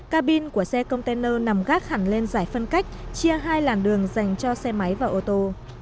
cà bin của xe container nằm gác hẳn lên giải phân cách chia hai làn đường dành cho xe máy và ô tô